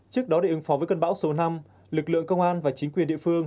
trước đó để ứng phó với cơn bão số năm lực lượng công an và chính quyền địa phương